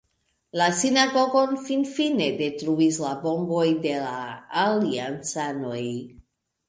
La sinagogon finfine detruis la bomboj de la Aliancanoj.